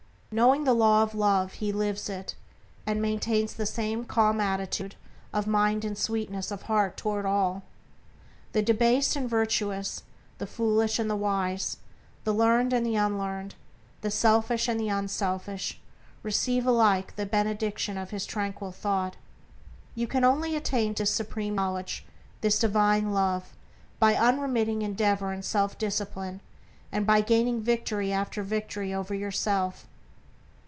Knowing the Law of Love, he lives it, and maintains the same calm attitude of mind and sweetness of heart toward all. The debased and the virtuous, the foolish and the wise, the learned and the unlearned, the selfish and the unselfish receive alike the benediction of his tranquil thought. You can only attain to this supreme knowledge, this divine Love by unremitting endeavor in self discipline, and by gaining victory after victory over yourself.